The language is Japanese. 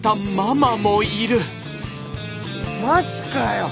マジかよ